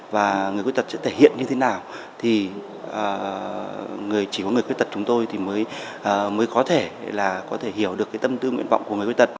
và người khuyết tật sẽ thể hiện như thế nào thì chỉ có người khuyết tật chúng tôi thì mới có thể là có thể hiểu được tâm tư nguyện vọng của người khuyết tật